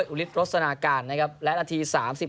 อุฤทธรสนาการนะครับและนาที๓๔